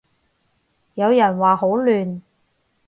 有人話好亂